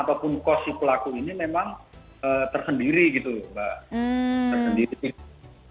apapun kos si pelaku ini memang tersendiri gitu mbak